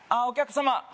お客様